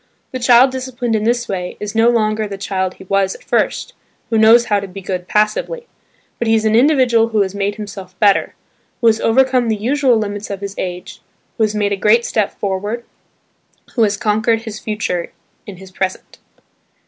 The child disciplined in this way, is no longer the child he was at first, who knows how to be good passively; but he is an individual who has made himself better, who has overcome the usual limits of his age, who has made a great step forward, who has conquered his future in his present.